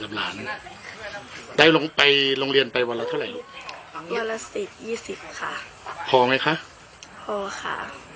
กับหลานได้ไปโรงเรียนไปวันละเท่าไรวันละสิบยี่สิบค่ะพอไหมคะพอค่ะ